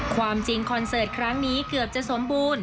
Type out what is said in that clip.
ความจริงคอนเสิร์ตครั้งนี้เกือบจะสมบูรณ์